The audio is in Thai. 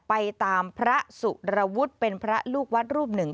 ไปตามพระสุรวุฒิเป็นพระลูกวัดรูปหนึ่ง